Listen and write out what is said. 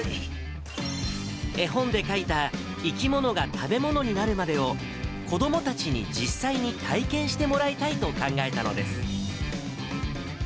絵本で描いた生き物が食べ物になるまでを、子どもたちに実際に体験してもらいたいと考えたのです。